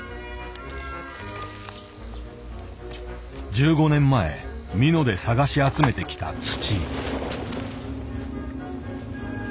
１５年前美濃で探し集めてきた土。